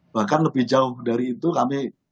bahkan lebih jauh dari itu kami